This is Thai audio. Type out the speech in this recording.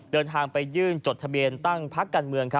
เดินทางไปยื่นจดทะเบียนตั้งพักการเมือง